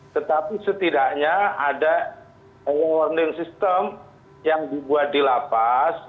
tetapi setidaknya ada warning system yang dibuat di lapas